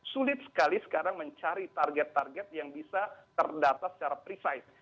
sulit sekali sekarang mencari target target yang bisa terdata secara precise